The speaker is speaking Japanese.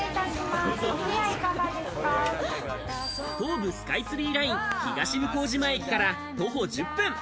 東武スカイツリーライン、東向島駅から徒歩１０分。